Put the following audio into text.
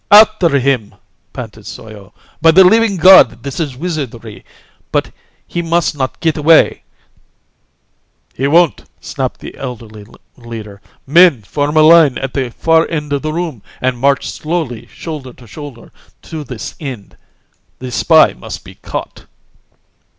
"After him!" panted Soyo. "By the living God, this is wizardry! But he must not get away " "He won't!" snapped the elderly leader. "Men, form a line at the far end of the room and march slowly, shoulder to shoulder, to this end. The spy must be caught!"